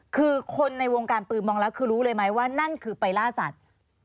คือคนในวงการปืนมองแล้วคือรู้เลยไหมว่านั่นคือไปล่าสัตว์